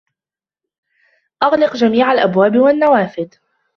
اغلق جميع الأبواب والنوافذ.